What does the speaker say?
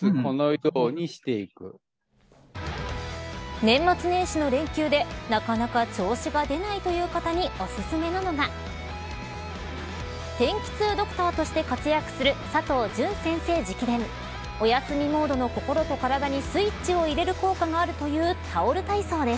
年末年始の連休でなかなか調子が出ないという方におすすめなのが天気痛ドクターとして活躍する佐藤純先生直伝おやすみモードの心と体にスイッチを入れる効果があるというタオル体操です。